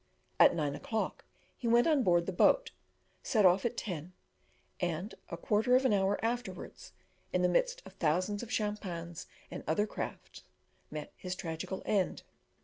At 9 o'clock he went on board the boat, set off at 10, and a quarter of an hour afterwards, in the midst of thousands of schampans and other craft, met his tragical end.